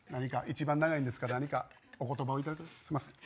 一番長いんですから何かお言葉をすいません。